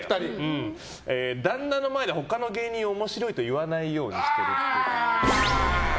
旦那の前で他の芸人面白いと言わないようにしてるっぽい。